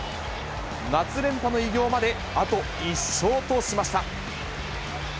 夏連覇の偉業まであと１勝としました。